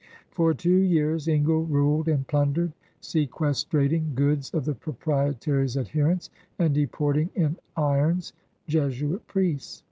For two years Ingle ruled and plundered, seques trating goods of the Proprietary's adherents, and deporting in irons Jesuit priests.